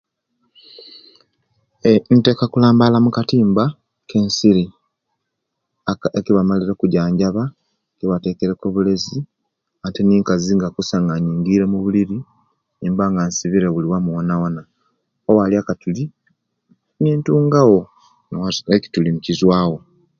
Nn nteka kulambala mukatimba kansiri ekibamalire okujanjabya ekibatekere ku obulezi ate ninkazinga nga neyingira omubuliri niba nga inkasibire buli wamu bwobwona owali akatuli nintubgawo ekituli nikizuwa wo